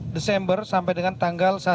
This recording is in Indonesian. desember sampai dengan tanggal